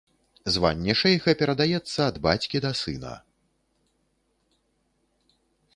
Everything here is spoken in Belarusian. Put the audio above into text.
Званне шэйха перадаецца ад бацькі да сына.